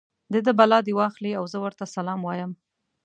د ده بلا دې واخلي او زه ورته سلام وایم.